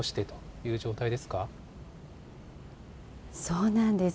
そうなんです。